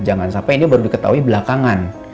jangan sampai ini baru diketahui belakangan